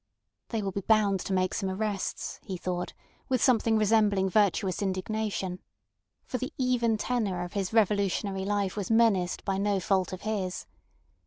They will be bound to make some arrests, he thought, with something resembling virtuous indignation, for the even tenor of his revolutionary life was menaced by no fault of his.